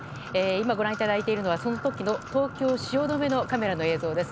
今ご覧いただいているのはその時の東京・汐留のカメラの映像です。